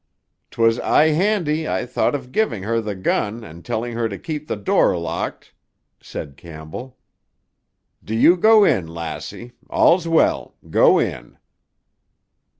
"'Twas aye handy I thought of giving her the gun and telling her to keep the door locked," said Campbell. "Do you go in, lassie. All's well. Go in."